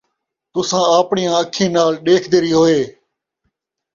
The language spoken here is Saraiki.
تُساں آپڑیاں اَکھیں نال ݙیکھدے ریہوئے ۔